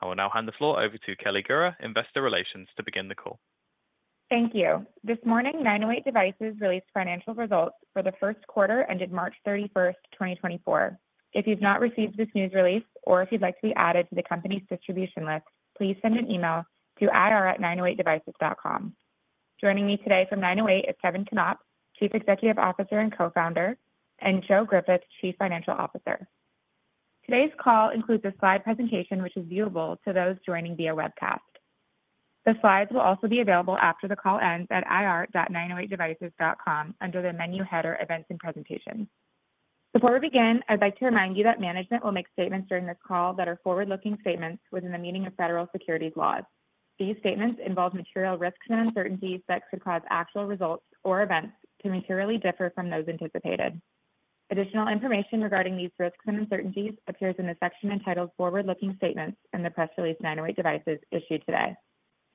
I will now hand the floor over to Kelly Gura, Investor Relations, to begin the call. Thank you. This morning, 908 Devices released financial results for the first quarter ended March 31st, 2024. If you've not received this news release, or if you'd like to be added to the company's distribution list, please send an email to ir@908devices.com. Joining me today from 908 is Kevin Knopp, Chief Executive Officer and Co-Founder, and Joe Griffith, Chief Financial Officer. Today's call includes a slide presentation which is viewable to those joining via webcast. The slides will also be available after the call ends at ir@908devices.com under the menu header Events and Presentations. Before we begin, I'd like to remind you that management will make statements during this call that are forward-looking statements within the meaning of federal securities laws. These statements involve material risks and uncertainties that could cause actual results or events to materially differ from those anticipated. Additional information regarding these risks and uncertainties appears in the section entitled Forward-Looking Statements in the press release 908 Devices issued today.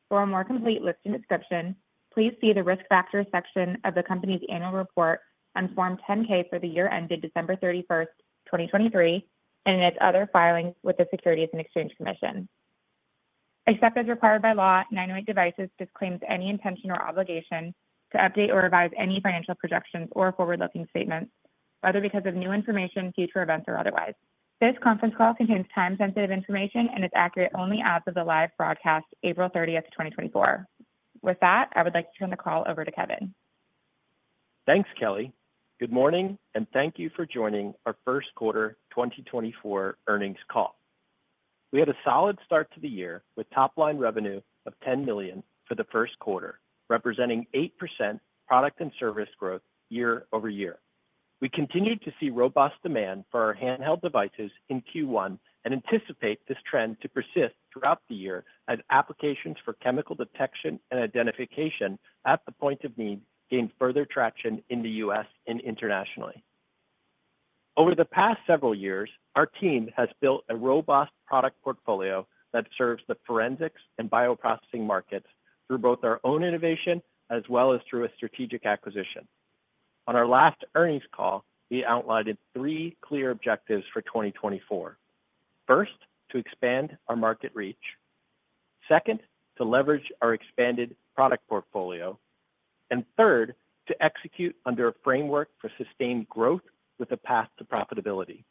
For a more complete list and description, please see the Risk Factors section of the company's annual report on Form 10-K for the year ended December 31st, 2023, and in its other filings with the Securities and Exchange Commission. Except as required by law, 908 Devices disclaims any intention or obligation to update or revise any financial projections or forward-looking statements, whether because of new information, future events, or otherwise. This conference call contains time-sensitive information and is accurate only as of the live broadcast April 30th, 2024. With that, I would like to turn the call over to Kevin. Thanks, Kelly. Good morning, and thank you for joining our first quarter 2024 earnings call. We had a solid start to the year with top-line revenue of $10 million for the first quarter, representing 8% product and service growth year-over-year. We continue to see robust demand for our handheld devices in Q1 and anticipate this trend to persist throughout the year as applications for chemical detection and identification at the point of need gain further traction in the U.S. and internationally. Over the past several years, our team has built a robust product portfolio that serves the forensics and bioprocessing markets through both our own innovation as well as through a strategic acquisition. On our last earnings call, we outlined three clear objectives for 2024. First, to expand our market reach. Second, to leverage our expanded product portfolio. And third, to execute under a framework for sustained growth with a path to profitability.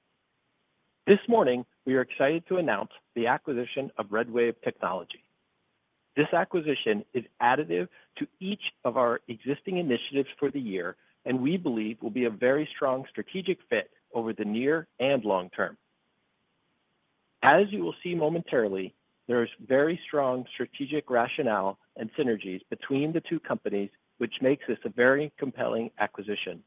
This morning, we are excited to announce the acquisition of RedWave Technology. This acquisition is additive to each of our existing initiatives for the year, and we believe will be a very strong strategic fit over the near and long term. As you will see momentarily, there is very strong strategic rationale and synergies between the two companies, which makes this a very compelling acquisition.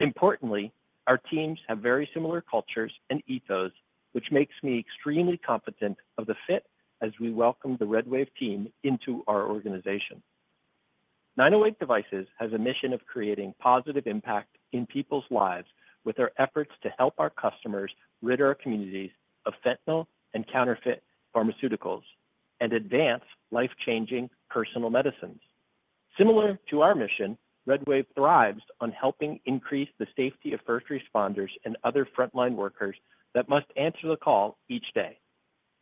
Importantly, our teams have very similar cultures and ethos, which makes me extremely confident of the fit as we welcome the RedWave team into our organization. 908 Devices has a mission of creating positive impact in people's lives with our efforts to help our customers rid our communities of fentanyl and counterfeit pharmaceuticals and advance life-changing personal medicines. Similar to our mission, RedWave thrives on helping increase the safety of first responders and other front-line workers that must answer the call each day.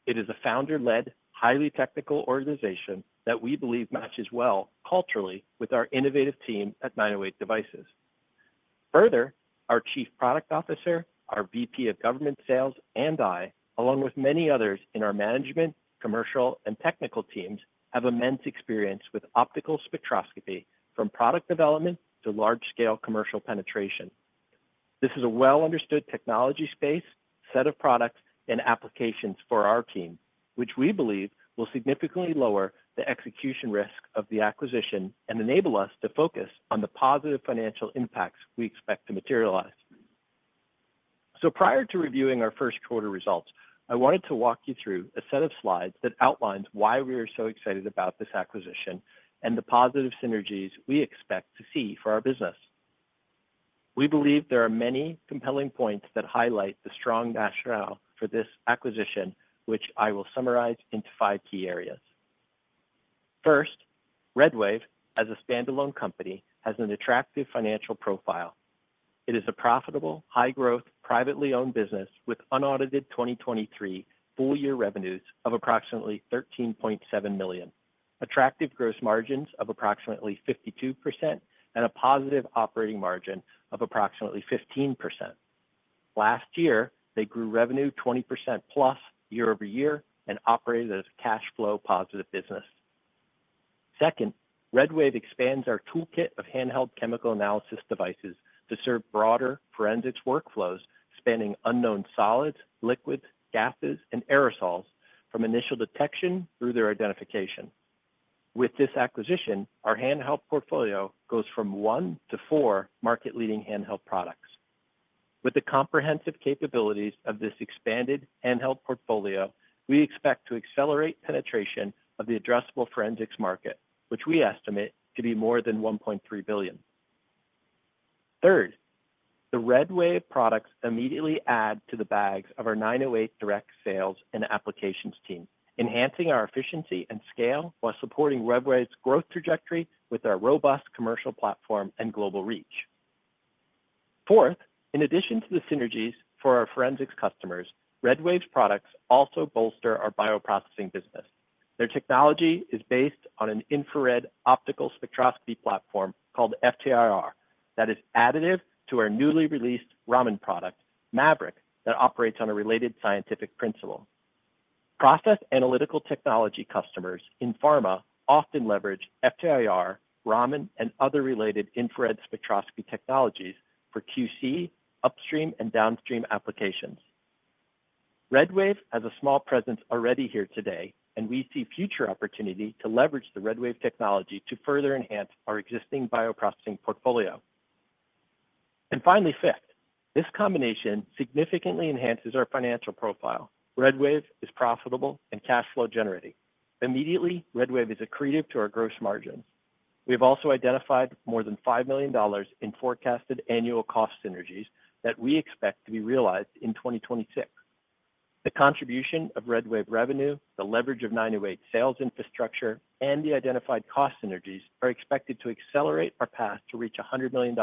It is a founder-led, highly technical organization that we believe matches well culturally with our innovative team at 908 Devices. Further, our Chief Product Officer, our VP of Government Sales, and I, along with many others in our management, commercial, and technical teams, have immense experience with optical spectroscopy from product development to large-scale commercial penetration. This is a well-understood technology space, set of products, and applications for our team, which we believe will significantly lower the execution risk of the acquisition and enable us to focus on the positive financial impacts we expect to materialize. Prior to reviewing our first quarter results, I wanted to walk you through a set of slides that outlines why we are so excited about this acquisition and the positive synergies we expect to see for our business. We believe there are many compelling points that highlight the strong rationale for this acquisition, which I will summarize into five key areas. First, RedWave, as a standalone company, has an attractive financial profile. It is a profitable, high-growth, privately owned business with unaudited 2023 full-year revenues of approximately $13.7 million, attractive gross margins of approximately 52%, and a positive operating margin of approximately 15%. Last year, they grew revenue 20%+ year-over-year and operated as a cash flow positive business. Second, RedWave expands our toolkit of handheld chemical analysis devices to serve broader forensics workflows, spanning unknown solids, liquids, gases, and aerosols from initial detection through their identification. With this acquisition, our handheld portfolio goes from one to four market-leading handheld products. With the comprehensive capabilities of this expanded handheld portfolio, we expect to accelerate penetration of the addressable forensics market, which we estimate to be more than $1.3 billion. Third, the RedWave products immediately add to the bags of our 908 direct sales and applications team, enhancing our efficiency and scale while supporting RedWave's growth trajectory with our robust commercial platform and global reach. Fourth, in addition to the synergies for our forensics customers, RedWave's products also bolster our bioprocessing business. Their technology is based on an infrared optical spectroscopy platform called FTIR that is additive to our newly released Raman product, MAVRIC, that operates on a related scientific principle. Process analytical technology customers in pharma often leverage FTIR, Raman, and other related infrared spectroscopy technologies for QC, upstream, and downstream applications. RedWave has a small presence already here today, and we see future opportunity to leverage the RedWave technology to further enhance our existing bioprocessing portfolio. And finally, fifth, this combination significantly enhances our financial profile. RedWave is profitable and cash flow generating. Immediately, RedWave is accretive to our gross margins. We have also identified more than $5 million in forecasted annual cost synergies that we expect to be realized in 2026. The contribution of RedWave revenue, the leverage of 908 sales infrastructure, and the identified cost synergies are expected to accelerate our path to reach $100 million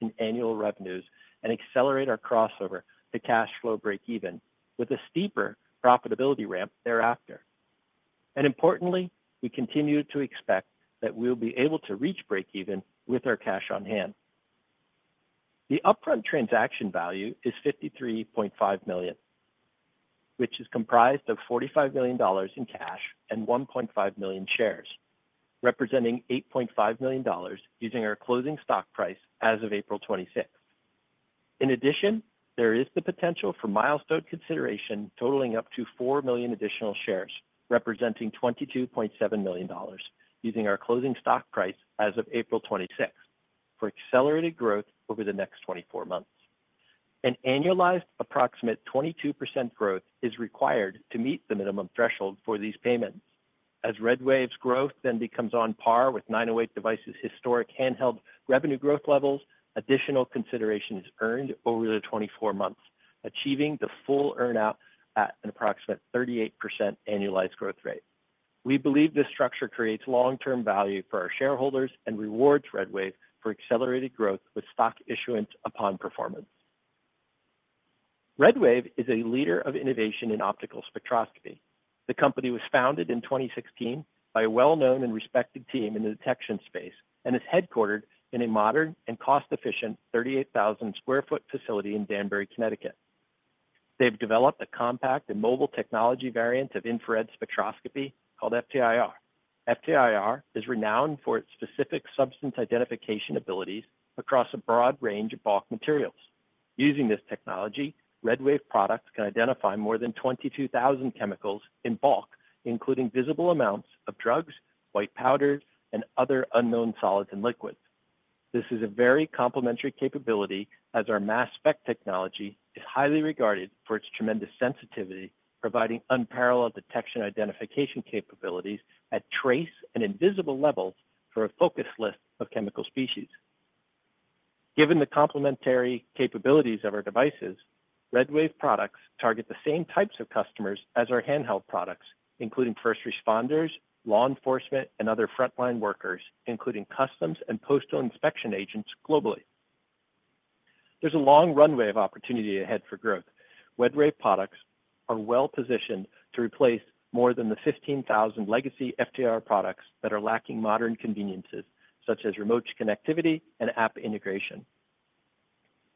in annual revenues and accelerate our crossover to cash flow break-even with a steeper profitability ramp thereafter. And importantly, we continue to expect that we will be able to reach break-even with our cash on hand. The upfront transaction value is $53.5 million, which is comprised of $45 million in cash and 1.5 million shares, representing $8.5 million using our closing stock price as of April 26. In addition, there is the potential for milestone consideration totaling up to 4 million additional shares, representing $22.7 million using our closing stock price as of April 26 for accelerated growth over the next 24 months. An annualized approximate 22% growth is required to meet the minimum threshold for these payments. As RedWave's growth then becomes on par with 908 Devices' historic handheld revenue growth levels, additional consideration is earned over the 24 months, achieving the full earnout at an approximate 38% annualized growth rate. We believe this structure creates long-term value for our shareholders and rewards RedWave for accelerated growth with stock issuance upon performance. RedWave is a leader of innovation in optical spectroscopy. The company was founded in 2016 by a well-known and respected team in the detection space and is headquartered in a modern and cost-efficient 38,000 sq ft facility in Danbury, Connecticut. They've developed a compact and mobile technology variant of infrared spectroscopy called FTIR. FTIR is renowned for its specific substance identification abilities across a broad range of bulk materials. Using this technology, RedWave products can identify more than 22,000 chemicals in bulk, including visible amounts of drugs, white powders, and other unknown solids and liquids. This is a very complementary capability as our mass spec technology is highly regarded for its tremendous sensitivity, providing unparalleled detection identification capabilities at trace and invisible levels for a focus list of chemical species. Given the complementary capabilities of our devices, RedWave products target the same types of customers as our handheld products, including first responders, law enforcement, and other front-line workers, including customs and postal inspection agents globally. There's a long runway of opportunity ahead for growth. RedWave products are well positioned to replace more than the 15,000 legacy FTIR products that are lacking modern conveniences such as remote connectivity and app integration.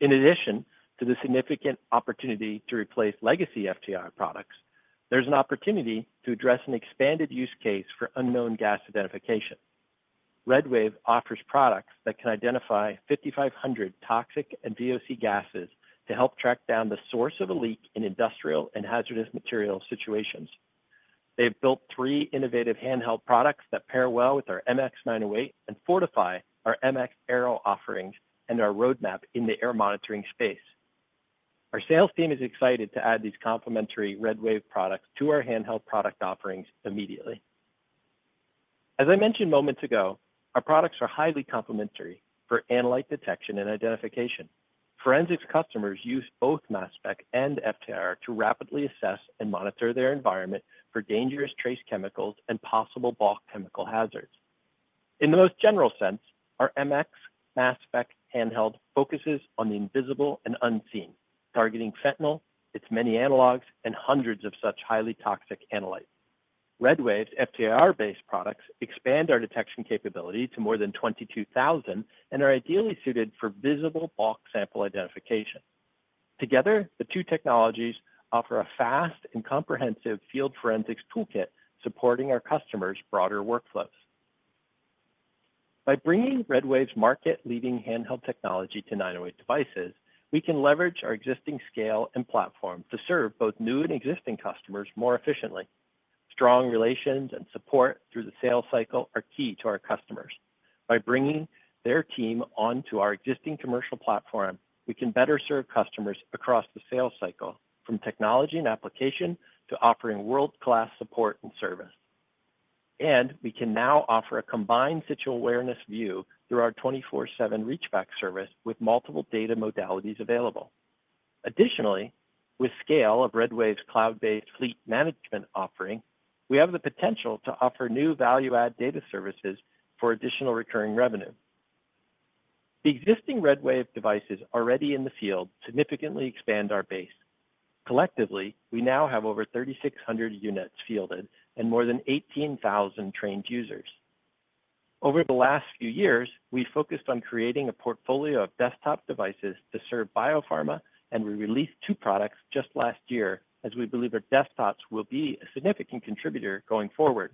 In addition to the significant opportunity to replace legacy FTIR products, there's an opportunity to address an expanded use case for unknown gas identification. RedWave offers products that can identify 5,500 toxic and VOC gases to help track down the source of a leak in industrial and hazardous materials situations. They have built three innovative handheld products that pair well with our MX908 and fortify our MX Aero offerings and our roadmap in the air monitoring space. Our sales team is excited to add these complementary RedWave products to our handheld product offerings immediately. As I mentioned moments ago, our products are highly complementary for analyte detection and identification. Forensics customers use both mass spec and FTIR to rapidly assess and monitor their environment for dangerous trace chemicals and possible bulk chemical hazards. In the most general sense, our MX mass spec handheld focuses on the invisible and unseen, targeting fentanyl, its many analogs, and hundreds of such highly toxic analyte. RedWave's FTIR-based products expand our detection capability to more than 22,000 and are ideally suited for visible bulk sample identification. Together, the two technologies offer a fast and comprehensive field forensics toolkit supporting our customers' broader workflows. By bringing RedWave's market-leading handheld technology to 908 Devices, we can leverage our existing scale and platform to serve both new and existing customers more efficiently. Strong relations and support through the sales cycle are key to our customers. By bringing their team onto our existing commercial platform, we can better serve customers across the sales cycle, from technology and application to offering world-class support and service. And we can now offer a combined situational awareness view through our 24/7 Reachback service with multiple data modalities available. Additionally, with scale of RedWave's cloud-based fleet management offering, we have the potential to offer new value-add data services for additional recurring revenue. The existing RedWave devices already in the field significantly expand our base. Collectively, we now have over 3,600 units fielded and more than 18,000 trained users. Over the last few years, we've focused on creating a portfolio of desktop devices to serve biopharma, and we released two products just last year as we believe our desktops will be a significant contributor going forward.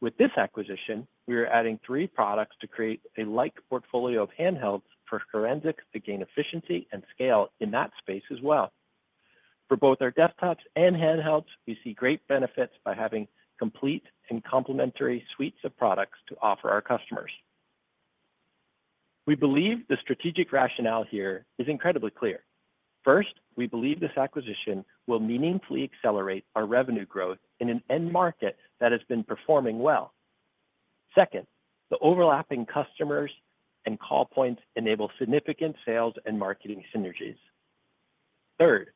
With this acquisition, we are adding three products to create a like portfolio of handhelds for forensics to gain efficiency and scale in that space as well. For both our desktops and handhelds, we see great benefits by having complete and complementary suites of products to offer our customers. We believe the strategic rationale here is incredibly clear. First, we believe this acquisition will meaningfully accelerate our revenue growth in an end market that has been performing well. Second, the overlapping customers and call points enable significant sales and marketing synergies. Third,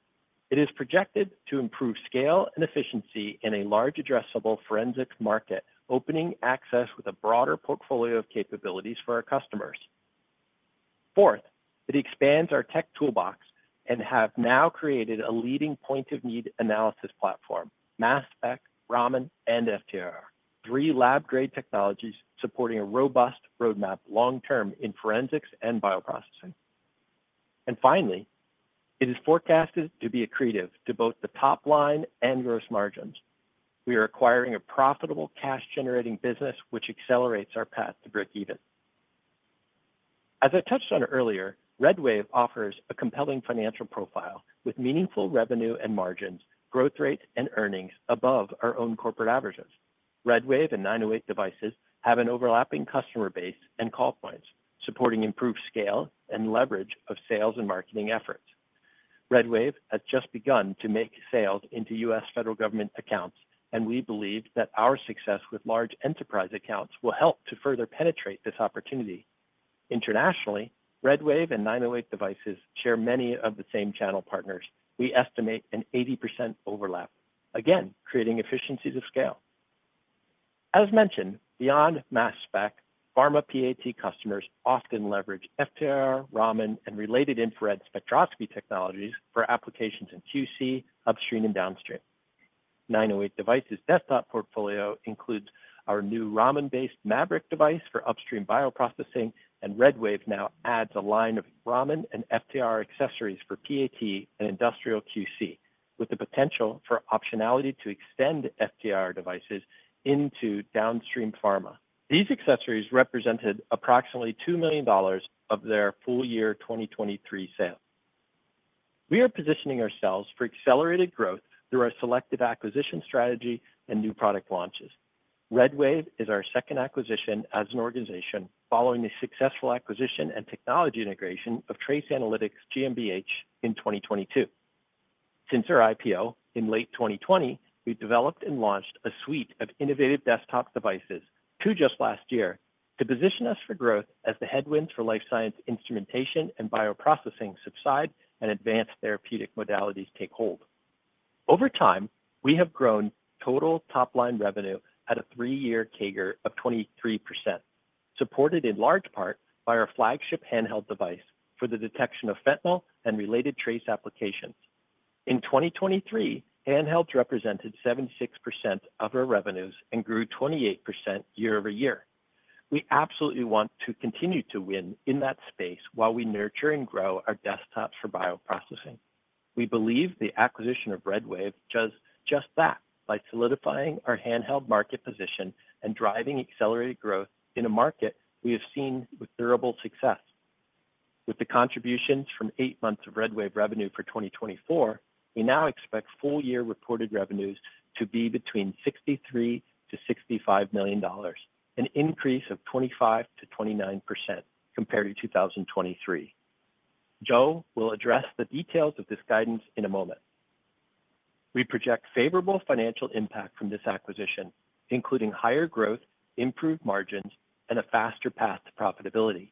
it is projected to improve scale and efficiency in a large addressable forensics market, opening access with a broader portfolio of capabilities for our customers. Fourth, it expands our tech toolbox and has now created a leading point-of-need analysis platform, mass spec, Raman, and FTIR, three lab-grade technologies supporting a robust roadmap long-term in forensics and bioprocessing. Finally, it is forecasted to be accretive to both the top line and gross margins. We are acquiring a profitable cash-generating business, which accelerates our path to break-even. As I touched on earlier, RedWave offers a compelling financial profile with meaningful revenue and margins, growth rates, and earnings above our own corporate averages. RedWave and 908 Devices have an overlapping customer base and call points, supporting improved scale and leverage of sales and marketing efforts. RedWave has just begun to make sales into U.S. federal government accounts, and we believe that our success with large enterprise accounts will help to further penetrate this opportunity. Internationally, RedWave and 908 Devices share many of the same channel partners. We estimate an 80% overlap, again creating efficiencies of scale. As mentioned, beyond mass spec, pharma PAT customers often leverage FTIR, Raman, and related infrared spectroscopy technologies for applications in QC, upstream, and downstream. 908 Devices' desktop portfolio includes our new Raman-based MAVRIC device for upstream bioprocessing, and RedWave now adds a line of Raman and FTIR accessories for PAT and industrial QC, with the potential for optionality to extend FTIR devices into downstream pharma. These accessories represented approximately $2 million of their full-year 2023 sales. We are positioning ourselves for accelerated growth through our selective acquisition strategy and new product launches. RedWave is our second acquisition as an organization following the successful acquisition and technology integration of Trace Analytics GmbH in 2022. Since our IPO in late 2020, we've developed and launched a suite of innovative desktop devices, too, just last year to position us for growth as the headwinds for life science instrumentation and bioprocessing subside and advanced therapeutic modalities take hold. Over time, we have grown total top line revenue at a three year CAGR of 23%, supported in large part by our flagship handheld device for the detection of fentanyl and related trace applications. In 2023, handhelds represented 76% of our revenues and grew 28% year-over-year. We absolutely want to continue to win in that space while we nurture and grow our desktops for bioprocessing. We believe the acquisition of RedWave does just that by solidifying our handheld market position and driving accelerated growth in a market we have seen with durable success. With the contributions from eight months of RedWave revenue for 2024, we now expect full-year reported revenues to be between $63 million-$65 million, an increase of 25%-29% compared to 2023. Joe will address the details of this guidance in a moment. We project favorable financial impact from this acquisition, including higher growth, improved margins, and a faster path to profitability.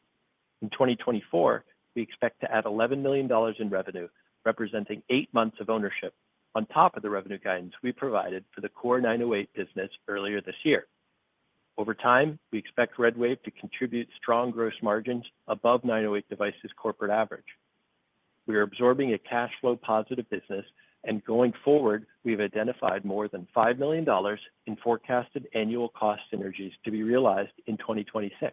In 2024, we expect to add $11 million in revenue, representing eight months of ownership on top of the revenue guidance we provided for the core 908 business earlier this year. Over time, we expect RedWave to contribute strong gross margins above 908 Devices' corporate average. We are absorbing a cash flow positive business, and going forward, we have identified more than $5 million in forecasted annual cost synergies to be realized in 2026.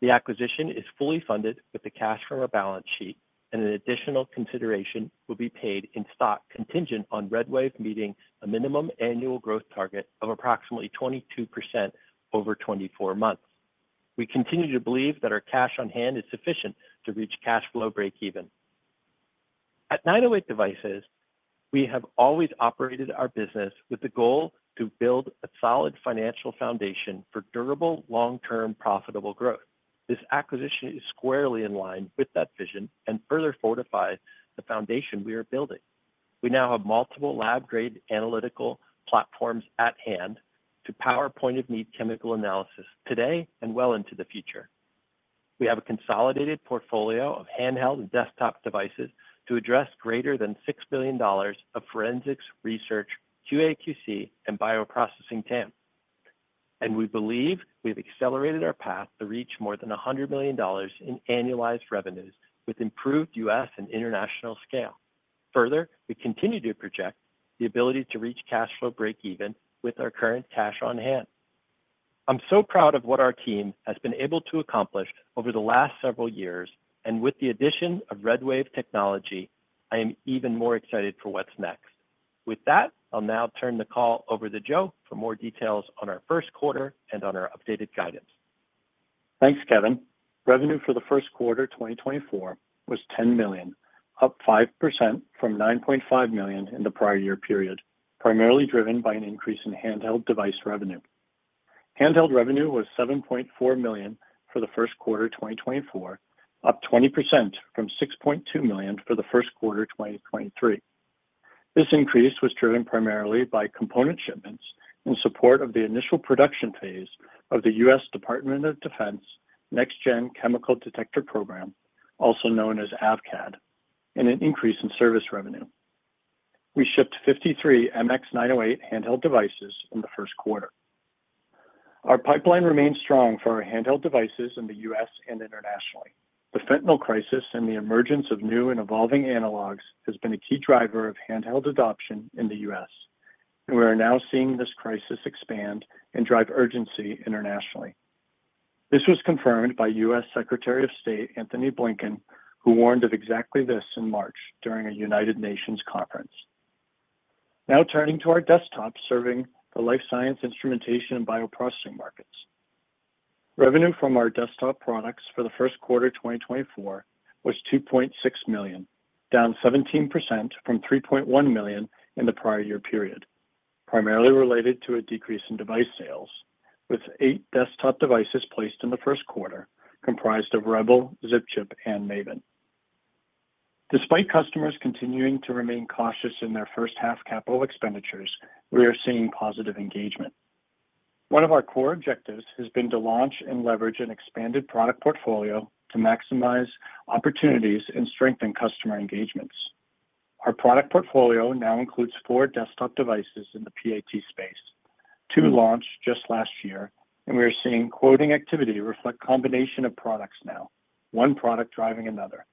The acquisition is fully funded with the cash from our balance sheet, and an additional consideration will be paid in stock contingent on RedWave meeting a minimum annual growth target of approximately 22% over 24 months. We continue to believe that our cash on hand is sufficient to reach cash flow break-even. At 908 Devices, we have always operated our business with the goal to build a solid financial foundation for durable, long-term, profitable growth. This acquisition is squarely in line with that vision and further fortifies the foundation we are building. We now have multiple lab-grade analytical platforms at hand to power point-of-need chemical analysis today and well into the future. We have a consolidated portfolio of handheld and desktop devices to address greater than $6 billion of forensics research, QA/QC, and bioprocessing TAM. We believe we have accelerated our path to reach more than $100 million in annualized revenues with improved U.S. and international scale. Further, we continue to project the ability to reach cash flow break-even with our current cash on hand. I'm so proud of what our team has been able to accomplish over the last several years, and with the addition of RedWave Technology, I am even more excited for what's next. With that, I'll now turn the call over to Joe for more details on our first quarter and on our updated guidance. Thanks, Kevin. Revenue for the first quarter 2024 was $10 million, up 5% from $9.5 million in the prior year period, primarily driven by an increase in handheld device revenue. Handheld revenue was $7.4 million for the first quarter 2024, up 20% from $6.2 million for the first quarter 2023. This increase was driven primarily by component shipments in support of the initial production phase of the U.S. Department of Defense Next-Gen Chemical Detector Program, also known as AVCAD, and an increase in service revenue. We shipped 53 MX908 handheld devices in the first quarter. Our pipeline remains strong for our handheld devices in the U.S. and internationally. The fentanyl crisis and the emergence of new and evolving analogs has been a key driver of handheld adoption in the U.S., and we are now seeing this crisis expand and drive urgency internationally. This was confirmed by U.S. Secretary of State Antony Blinken, who warned of exactly this in March during a United Nations conference. Now turning to our desktops serving the life science instrumentation and bioprocessing markets. Revenue from our desktop products for the first quarter 2024 was $2.6 million, down 17% from $3.1 million in the prior year period, primarily related to a decrease in device sales, with eight desktop devices placed in the first quarter comprised of Rebel, ZipChip, and MAVEN. Despite customers continuing to remain cautious in their first-half capital expenditures, we are seeing positive engagement. One of our core objectives has been to launch and leverage an expanded product portfolio to maximize opportunities and strengthen customer engagements. Our product portfolio now includes four desktop devices in the PAT space, two launched just last year, and we are seeing quoting activity reflect a combination of products now, one product driving another.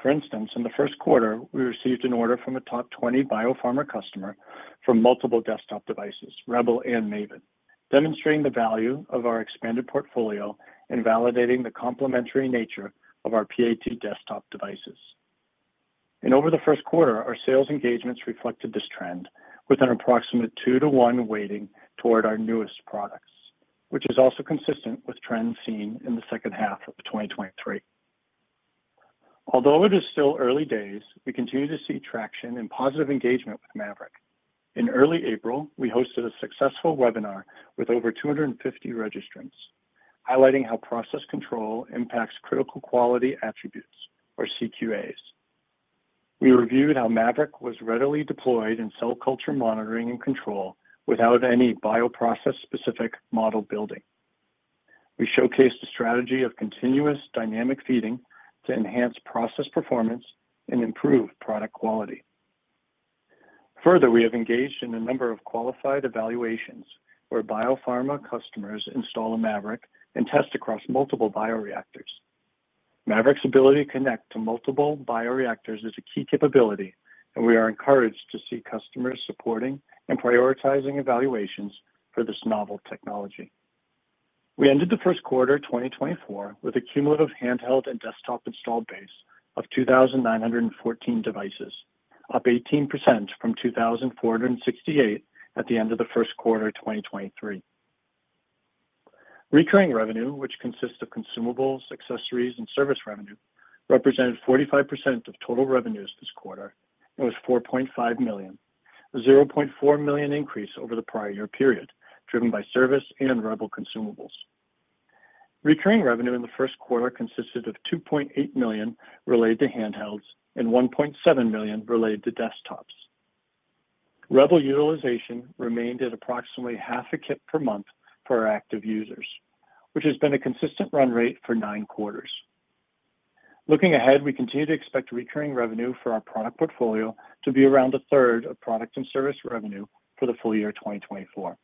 For instance, in the first quarter, we received an order from a top 20 biopharma customer for multiple desktop devices, Rebel and MAVEN, demonstrating the value of our expanded portfolio and validating the complementary nature of our PAT desktop devices. Over the first quarter, our sales engagements reflected this trend, with an approximate two to one weighting toward our newest products, which is also consistent with trends seen in the second half of 2023. Although it is still early days, we continue to see traction and positive engagement with MAVRIC. In early April, we hosted a successful webinar with over 250 registrants, highlighting how process control impacts critical quality attributes, or CQAs. We reviewed how MAVRIC was readily deployed in cell culture monitoring and control without any bioprocess-specific model building. We showcased a strategy of continuous dynamic feeding to enhance process performance and improve product quality. Further, we have engaged in a number of qualified evaluations where biopharma customers install a MAVRIC and test across multiple bioreactors. MAVRIC's ability to connect to multiple bioreactors is a key capability, and we are encouraged to see customers supporting and prioritizing evaluations for this novel technology. We ended the first quarter 2024 with a cumulative handheld and desktop installed base of 2,914 devices, up 18% from 2,468 at the end of the first quarter 2023. Recurring revenue, which consists of consumables, accessories, and service revenue, represented 45% of total revenues this quarter and was $4.5 million, a $0.4 million increase over the prior year period driven by service and Rebel consumables. Recurring revenue in the first quarter consisted of $2.8 million related to handhelds and $1.7 million related to desktops. Rebel utilization remained at approximately half a kit per month for our active users, which has been a consistent run rate for nine quarters. Looking ahead, we continue to expect recurring revenue for our product portfolio to be around a third of product and service revenue for the full year 2024.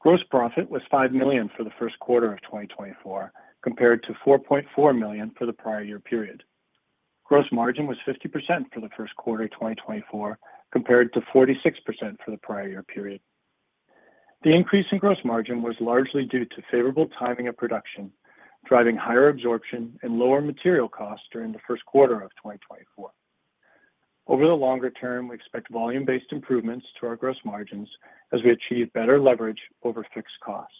Gross profit was $5 million for the first quarter of 2024 compared to $4.4 million for the prior year period. Gross margin was 50% for the first quarter 2024 compared to 46% for the prior year period. The increase in gross margin was largely due to favorable timing of production, driving higher absorption and lower material costs during the first quarter of 2024. Over the longer term, we expect volume-based improvements to our gross margins as we achieve better leverage over fixed costs.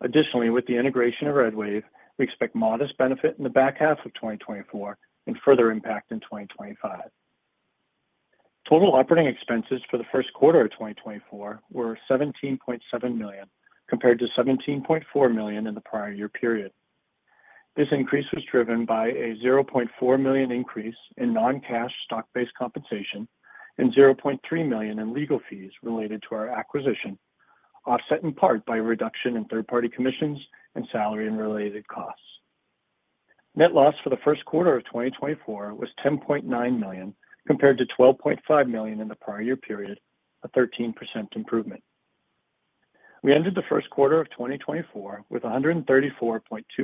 Additionally, with the integration of RedWave, we expect modest benefit in the back half of 2024 and further impact in 2025. Total operating expenses for the first quarter of 2024 were $17.7 million compared to $17.4 million in the prior year period. This increase was driven by a $0.4 million increase in non-cash stock-based compensation and $0.3 million in legal fees related to our acquisition, offset in part by a reduction in third-party commissions and salary and related costs. Net loss for the first quarter of 2024 was $10.9 million compared to $12.5 million in the prior year period, a 13% improvement. We ended the first quarter of 2024 with $134.2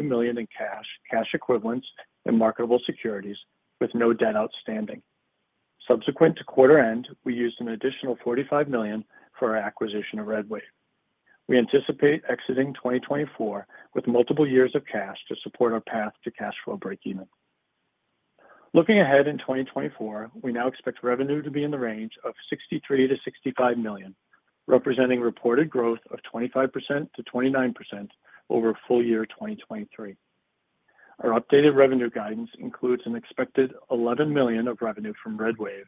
million in cash, cash equivalents, and marketable securities with no debt outstanding. Subsequent to quarter end, we used an additional $45 million for our acquisition of RedWave. We anticipate exiting 2024 with multiple years of cash to support our path to cash flow break-even. Looking ahead in 2024, we now expect revenue to be in the range of $63 million-$65 million, representing reported growth of 25%-29% over full year 2023. Our updated revenue guidance includes an expected $11 million of revenue from RedWave,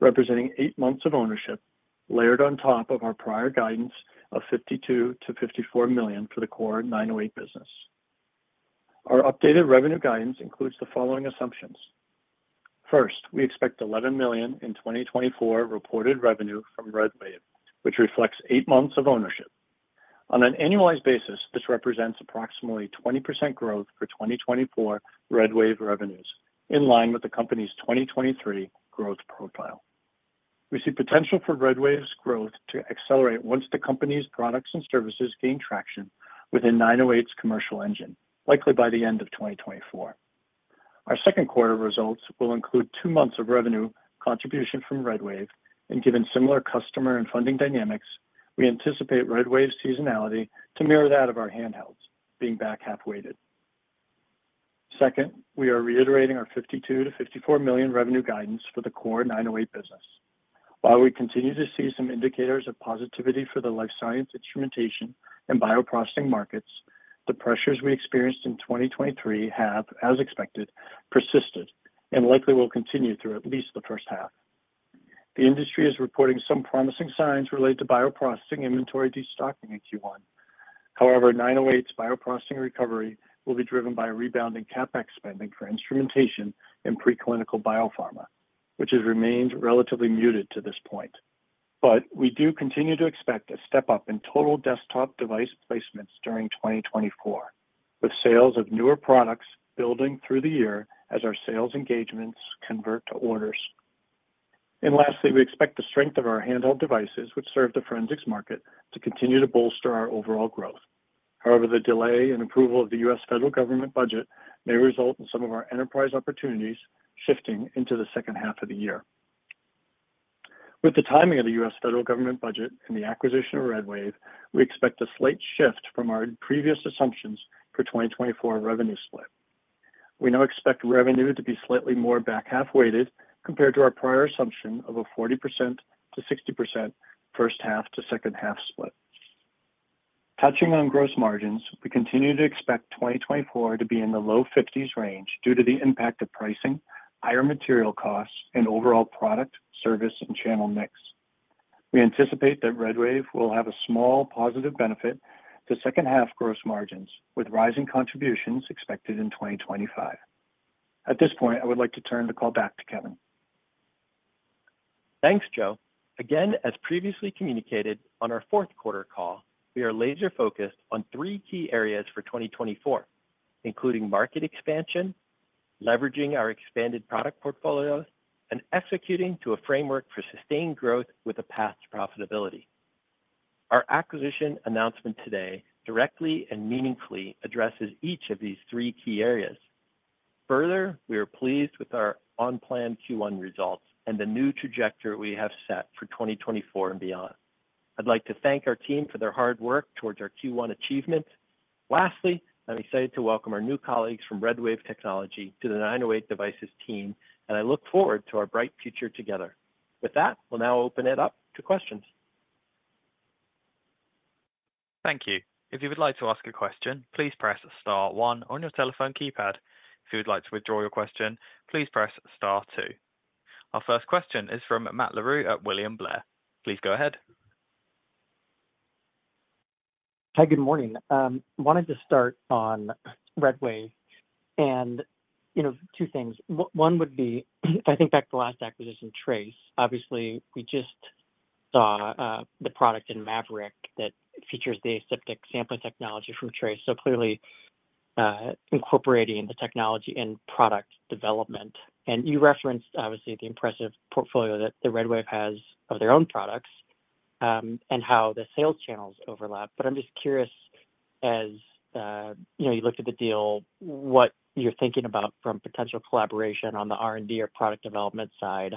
representing eight months of ownership layered on top of our prior guidance of $52 million-$54 million for the core 908 business. Our updated revenue guidance includes the following assumptions. First, we expect $11 million in 2024 reported revenue from RedWave, which reflects eight months of ownership. On an annualized basis, this represents approximately 20% growth for 2024 RedWave revenues in line with the company's 2023 growth profile. We see potential for RedWave's growth to accelerate once the company's products and services gain traction within 908's commercial engine, likely by the end of 2024. Our second quarter results will include two months of revenue contribution from RedWave, and given similar customer and funding dynamics, we anticipate RedWave's seasonality to mirror that of our handhelds, being back half weighted. Second, we are reiterating our $52 million-$54 million revenue guidance for the core 908 business. While we continue to see some indicators of positivity for the life science instrumentation and bioprocessing markets, the pressures we experienced in 2023 have, as expected, persisted and likely will continue through at least the first half. The industry is reporting some promising signs related to bioprocessing inventory destocking in Q1. However, 908's bioprocessing recovery will be driven by rebounding CapEx spending for instrumentation and preclinical biopharma, which has remained relatively muted to this point. But we do continue to expect a step up in total desktop device placements during 2024, with sales of newer products building through the year as our sales engagements convert to orders. And lastly, we expect the strength of our handheld devices, which serve the forensics market, to continue to bolster our overall growth. However, the delay in approval of the U.S. federal government budget may result in some of our enterprise opportunities shifting into the second half of the year. With the timing of the U.S. federal government budget and the acquisition of RedWave, we expect a slight shift from our previous assumptions for 2024 revenue split. We now expect revenue to be slightly more back half weighted compared to our prior assumption of a 40%-60% first half to second half split. Touching on gross margins, we continue to expect 2024 to be in the low 50s range due to the impact of pricing, higher material costs, and overall product, service, and channel mix. We anticipate that RedWave will have a small positive benefit to second half gross margins, with rising contributions expected in 2025. At this point, I would like to turn the call back to Kevin. Thanks, Joe. Again, as previously communicated on our fourth quarter call, we are laser-focused on three key areas for 2024, including market expansion, leveraging our expanded product portfolios, and executing to a framework for sustained growth with a past profitability. Our acquisition announcement today directly and meaningfully addresses each of these three key areas. Further, we are pleased with our on-plan Q1 results and the new trajectory we have set for 2024 and beyond. I'd like to thank our team for their hard work towards our Q1 achievements. Lastly, I'm excited to welcome our new colleagues from RedWave Technology to the 908 Devices team, and I look forward to our bright future together. With that, we'll now open it up to questions. Thank you. If you would like to ask a question, please press star one on your telephone keypad. If you would like to withdraw your question, please press star two. Our first question is from Matt Larew at William Blair. Please go ahead. Hi, good morning. I wanted to start on RedWave and two things. One would be, if I think back to the last acquisition, Trace, obviously, we just saw the product in MAVRIC that features the aseptic sampling technology from Trace. So clearly incorporating the technology in product development. And you referenced, obviously, the impressive portfolio that RedWave has of their own products and how the sales channels overlap. But I'm just curious, as you looked at the deal, what you're thinking about from potential collaboration on the R&D or product development side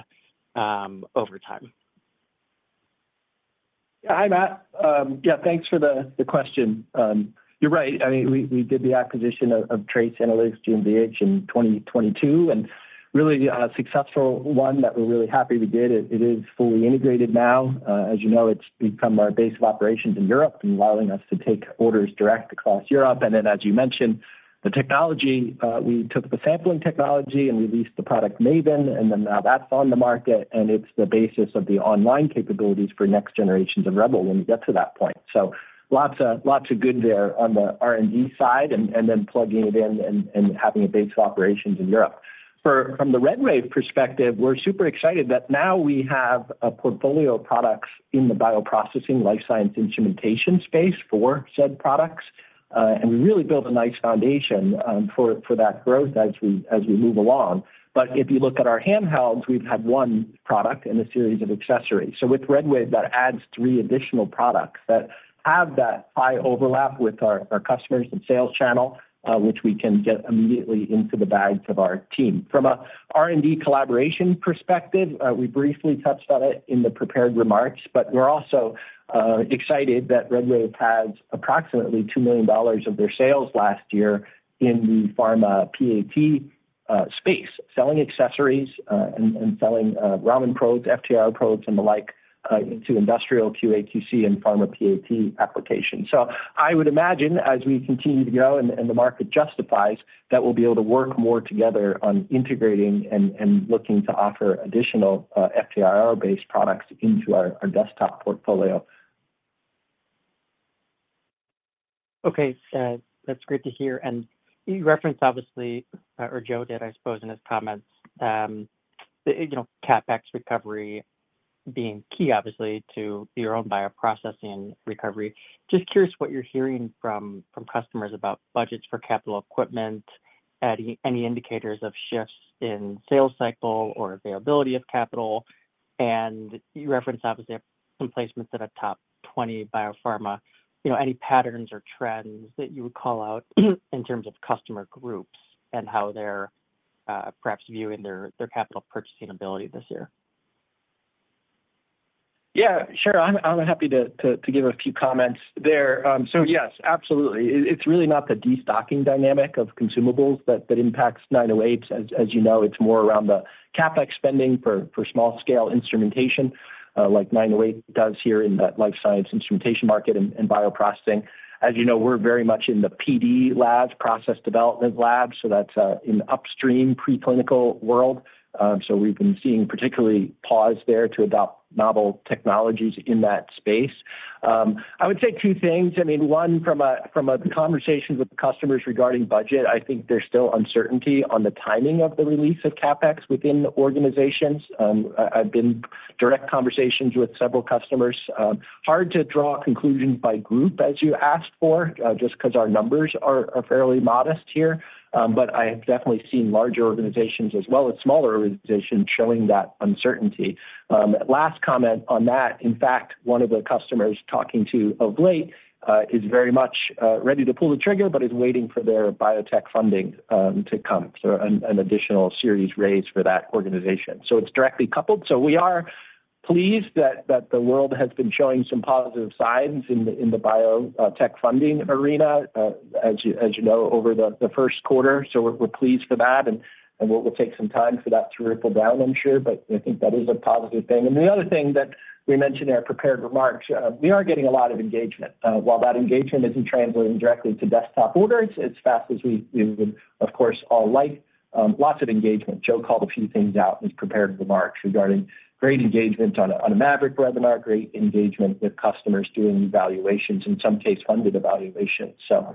over time. Yeah, hi, Matt. Yeah, thanks for the question. You're right. I mean, we did the acquisition of Trace Analytics GmbH in 2022, and really a successful one that we're really happy we did. It is fully integrated now. As you know, it's become our base of operations in Europe and allowing us to take orders direct across Europe. And then, as you mentioned, the technology, we took the sampling technology and released the product MAVEN, and then now that's on the market, and it's the basis of the online capabilities for next generations of Rebel when we get to that point. So lots of good there on the R&D side and then plugging it in and having a base of operations in Europe. From the RedWave perspective, we're super excited that now we have a portfolio of products in the bioprocessing life science instrumentation space for said products, and we really built a nice foundation for that growth as we move along. But if you look at our handhelds, we've had one product and a series of accessories. So with RedWave, that adds three additional products that have that high overlap with our customers and sales channel, which we can get immediately into the bags of our team. From an R&D collaboration perspective, we briefly touched on it in the prepared remarks, but we're also excited that RedWave has approximately $2 million of their sales last year in the pharma PAT space, selling accessories and selling Raman probes, FTIR probes, and the like into industrial QA/QC and pharma PAT applications. I would imagine, as we continue to go and the market justifies, that we'll be able to work more together on integrating and looking to offer additional FTIR-based products into our desktop portfolio. Okay, that's great to hear. And you referenced, obviously, or Joe did, I suppose, in his comments, CapEx recovery being key, obviously, to your own bioprocessing recovery. Just curious what you're hearing from customers about budgets for capital equipment, any indicators of shifts in sales cycle or availability of capital. And you referenced, obviously, some placements at a top 20 biopharma. Any patterns or trends that you would call out in terms of customer groups and how they're perhaps viewing their capital purchasing ability this year? Yeah, sure. I'm happy to give a few comments there. So yes, absolutely. It's really not the destocking dynamic of consumables that impacts 908's. As you know, it's more around the CapEx spending for small-scale instrumentation like 908 does here in the life science instrumentation market and bioprocessing. As you know, we're very much in the PD labs, process development labs, so that's in the upstream preclinical world. So we've been seeing a particular pause there to adopt novel technologies in that space. I would say two things. I mean, one, from the conversations with customers regarding budget, I think there's still uncertainty on the timing of the release of CapEx within organizations. I've been in direct conversations with several customers. Hard to draw conclusions by group, as you asked for, just because our numbers are fairly modest here. But I have definitely seen larger organizations as well as smaller organizations showing that uncertainty. Last comment on that, in fact, one of the customers talking to of late is very much ready to pull the trigger but is waiting for their biotech funding to come, so an additional series raised for that organization. So it's directly coupled. So we are pleased that the world has been showing some positive signs in the biotech funding arena, as you know, over the first quarter. So we're pleased for that. And we'll take some time for that to ripple down, I'm sure, but I think that is a positive thing. And the other thing that we mentioned in our prepared remarks, we are getting a lot of engagement. While that engagement isn't translating directly to desktop orders, it's fast as we would, of course, all like. Lots of engagement. Joe called a few things out in his prepared remarks regarding great engagement on a MAVRIC webinar, great engagement with customers doing evaluations, in some cases, funded evaluations, so.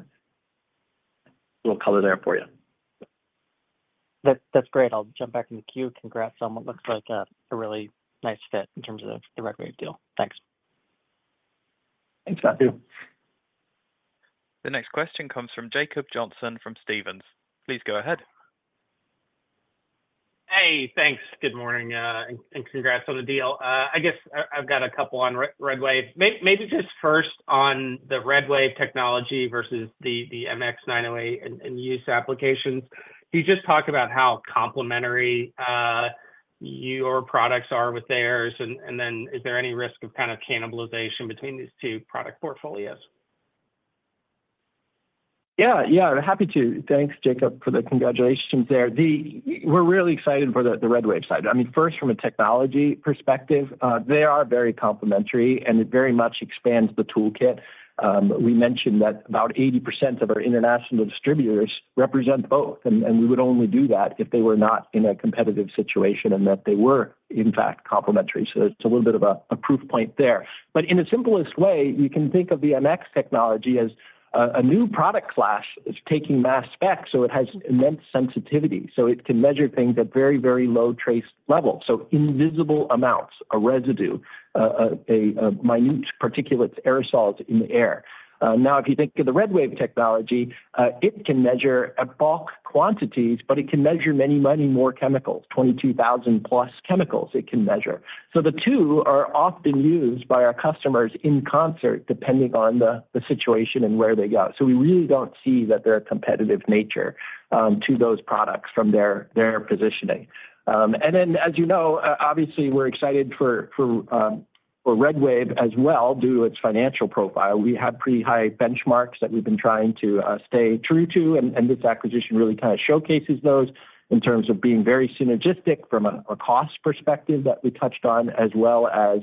We'll cover there for you. That's great. I'll jump back in the queue. Congrats on what looks like a really nice fit in terms of the RedWave deal. Thanks. Thanks, Matthew. The next question comes from Jacob Johnson from Stephens. Please go ahead. Hey, thanks. Good morning and congrats on the deal. I guess I've got a couple on RedWave. Maybe just first on the RedWave technology versus the MX908 and use applications. Can you just talk about how complementary your products are with theirs? And then is there any risk of kind of cannibalization between these two product portfolios? Yeah, yeah, happy to. Thanks, Jacob, for the congratulations there. We're really excited for the RedWave side. I mean, first, from a technology perspective, they are very complementary, and it very much expands the toolkit. We mentioned that about 80% of our international distributors represent both, and we would only do that if they were not in a competitive situation and that they were, in fact, complementary. So it's a little bit of a proof point there. But in the simplest way, you can think of the MX technology as a new product class that's taking mass spec, so it has immense sensitivity. So it can measure things at very, very low trace levels, so invisible amounts, a residue, a minute particulates, aerosols in the air. Now, if you think of the RedWave technology, it can measure bulk quantities, but it can measure many, many more chemicals, 22,000+ chemicals it can measure. So the two are often used by our customers in concert, depending on the situation and where they go. So we really don't see that they're a competitive nature to those products from their positioning. And then, as you know, obviously, we're excited for RedWave as well due to its financial profile. We have pretty high benchmarks that we've been trying to stay true to, and this acquisition really kind of showcases those in terms of being very synergistic from a cost perspective that we touched on, as well as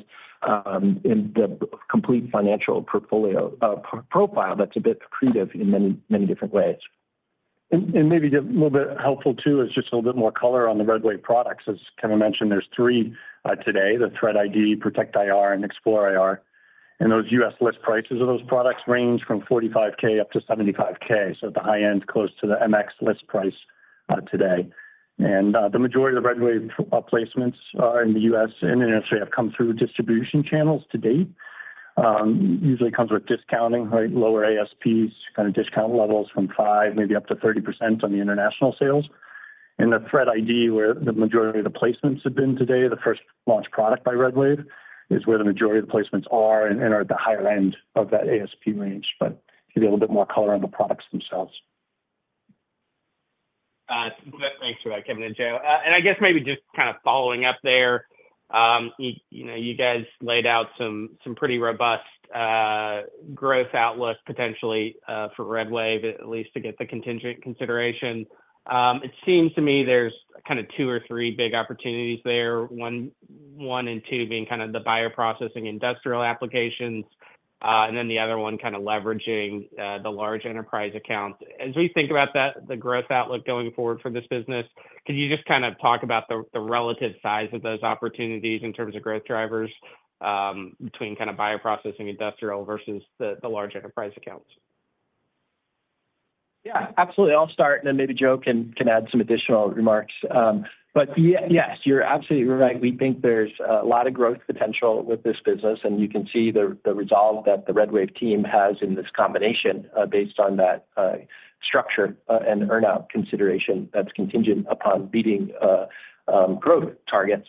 in the complete financial profile that's a bit creative in many, many different ways. And maybe a little bit helpful too is just a little bit more color on the RedWave products. As Kevin mentioned, there are three today, the ThreatID, ProtectIR, and XplorIR. And those U.S. list prices of those products range from $45,000-$75,000 so at the high end, close to the MX list price today. And the majority of the RedWave placements in the U.S. and in Australia have come through distribution channels to date. Usually, it comes with discounting, lower ASPs, kind of discount levels from 5%, maybe up to 30% on the international sales. And the ThreatID, where the majority of the placements have been today, the first launch product by RedWave, is where the majority of the placements are and are at the higher end of that ASP range. But you get a little bit more color on the products themselves. Thanks for that, Kevin and Joe. I guess maybe just kind of following up there, you guys laid out some pretty robust growth outlook potentially for RedWave, at least to get the contingent consideration. It seems to me there's kind of two or three big opportunities there, one and two being kind of the bioprocessing industrial applications, and then the other one kind of leveraging the large enterprise accounts. As we think about that, the growth outlook going forward for this business, could you just kind of talk about the relative size of those opportunities in terms of growth drivers between kind of bioprocessing industrial versus the large enterprise accounts? Yeah, absolutely. I'll start, and then maybe Joe can add some additional remarks. But yes, you're absolutely right. We think there's a lot of growth potential with this business, and you can see the resolve that the RedWave team has in this combination based on that structure and earnout consideration that's contingent upon beating growth targets.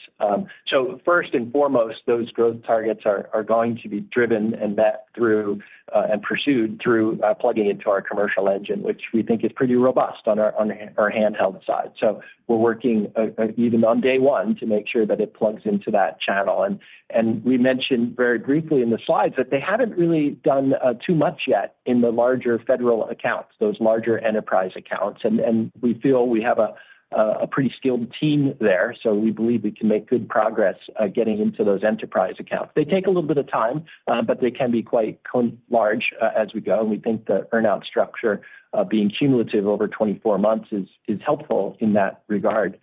So first and foremost, those growth targets are going to be driven and met through and pursued through plugging into our commercial engine, which we think is pretty robust on our handheld side. So we're working even on day one to make sure that it plugs into that channel. And we mentioned very briefly in the slides that they haven't really done too much yet in the larger federal accounts, those larger enterprise accounts. We feel we have a pretty skilled team there, so we believe we can make good progress getting into those enterprise accounts. They take a little bit of time, but they can be quite large as we go. And we think the earnout structure being cumulative over 24 months is helpful in that regard.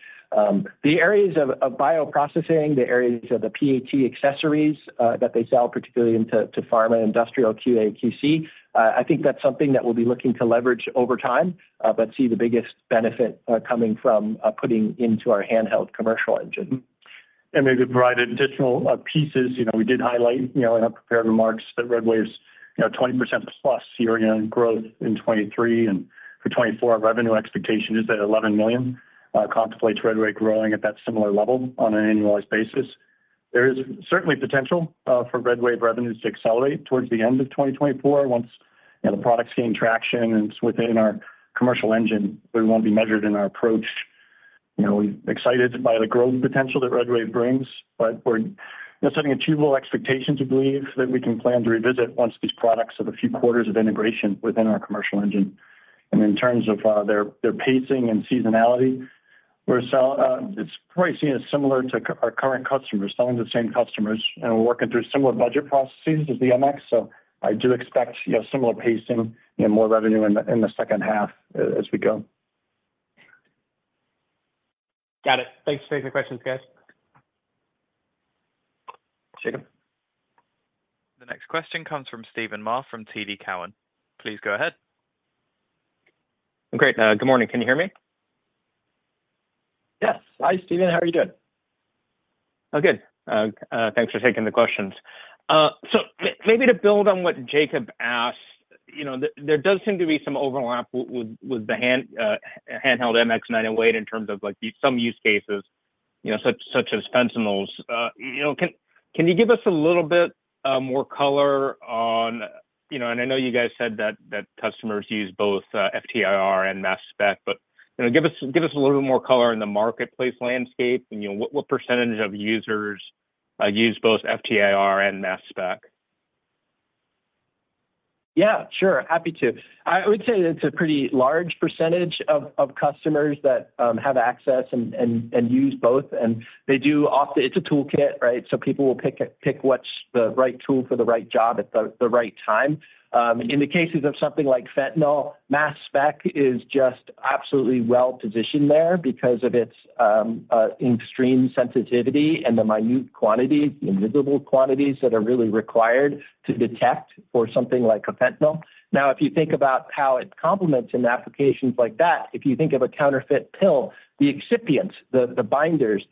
The areas of bioprocessing, the areas of the PAT accessories that they sell, particularly into pharma industrial QA/QC, I think that's something that we'll be looking to leverage over time but see the biggest benefit coming from putting into our handheld commercial engine. And maybe provide additional pieces. We did highlight in our prepared remarks that RedWave's 20%+ year-on-year growth in 2023, and for 2024, our revenue expectation is at $11 million. Contemplates RedWave growing at that similar level on an annualized basis. There is certainly potential for RedWave revenues to accelerate towards the end of 2024 once the products gain traction and it's within our commercial engine. But we want to be measured in our approach. We're excited by the growth potential that RedWave brings, but we're setting achievable expectations, we believe, that we can plan to revisit once these products have a few quarters of integration within our commercial engine. In terms of their pacing and seasonality, we're selling, it's probably seen as similar to our current customers, selling to the same customers, and we're working through similar budget processes as the MX. So I do expect similar pacing, more revenue in the second half as we go. Got it. Thanks for taking the questions, guys. Jacob? The next question comes from Steven Mah from TD Cowen. Please go ahead. Great. Good morning. Can you hear me? Yes. Hi, Steven. How are you doing? Oh, good. Thanks for taking the questions. So maybe to build on what Jacob asked, there does seem to be some overlap with the handheld MX908 in terms of some use cases, such as fentanyls. Can you give us a little bit more color on, and I know you guys said that customers use both FTIR and mass spec, but give us a little bit more color in the marketplace landscape. What percentage of users use both FTIR and mass spec? Yeah, sure. Happy to. I would say it's a pretty large percentage of customers that have access and use both. And they do. Often it's a toolkit, right? So people will pick what's the right tool for the right job at the right time. In the cases of something like fentanyl, mass spec is just absolutely well-positioned there because of its extreme sensitivity and the minute quantities, the invisible quantities that are really required to detect for something like a fentanyl. Now, if you think about how it complements in applications like that, if you think of a counterfeit pill, the excipients, the binders,